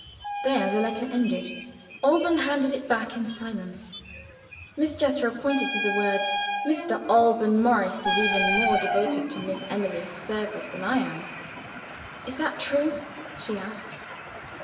There the letter ended. Alban handed it back in silence. Miss Jethro pointed to the words, "Mr. Alban Morris is even more devoted to Miss Emily's service than I am." "Is that true?" she asked.